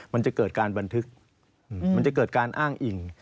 มันจะเกิดการบันทึกมันจะเกิดการอ้างอิ่ง